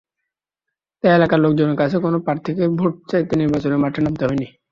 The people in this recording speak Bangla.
তাই এলাকার লোকজনের কাছে কোনো প্রার্থীকে ভোট চাইতে নির্বাচনের মাঠে নামতে হয়নি।